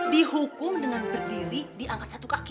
dihukum dengan berdiri diangkat satu kaki